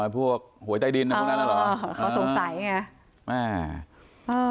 อ๋อพวกหวยใต้ดินพวกนั้นหรออ๋อเขาสงสัยไง